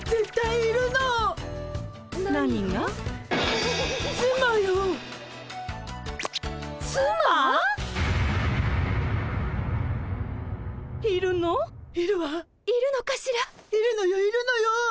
いるのよいるのよ。